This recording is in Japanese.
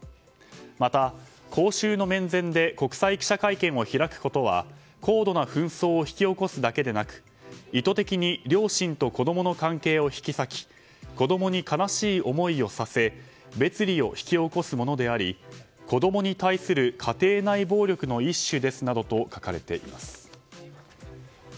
また、公衆の面前で国際記者会見を開くことは高度な紛争を引き起こすだけでなく意図的に両親と子供の関係を引き裂き子供に悲しい思いをさせ別離を引き起こすものであり子供に対する家庭内暴力の一種ですなどと書かれています。